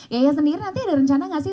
yaya sendiri nanti ada rencana nggak sih